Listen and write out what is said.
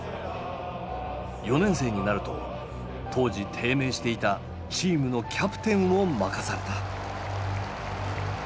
４年生になると当時低迷していたチームのキャプテンを任された。